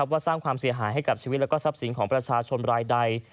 ว่าสร้างความเสียหายให้กับชีวิตและทรัพย์สินของประชาชนรายใด